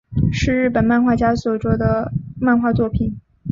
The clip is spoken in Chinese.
是日本漫画家所着的漫画作品。